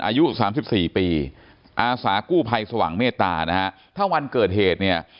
อายุสามสิบสี่ปีอาสากู้ภัยสว่างเมตตานะฮะถ้าวันเกิดเหตุเนี่ย